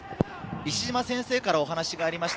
石島先生からお話がありました。